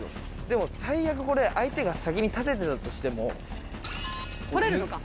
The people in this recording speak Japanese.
でも最悪これ相手が先に立ててたとしても。取れるのか。